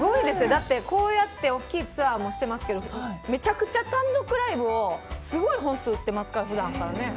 だってこうやって大きいツアーもしてますけどめちゃくちゃ単独ライブをすごい本数打ってますから、普段。